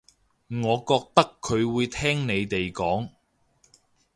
我覺得佢會聽你哋講